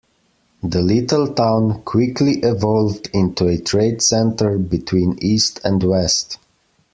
The little town quickly evolved into a trade center between east and west.